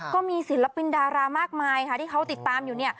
ก็มีศิลปินดารามากมายที่เขาติดตามอยู่